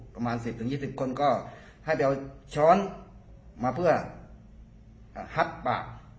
ประมาณ๑๐๒๐คนก็ให้ไปเอาช้อนมาเพื่อฮัดปาก